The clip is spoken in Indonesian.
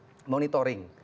kemudian yang kedua monitoring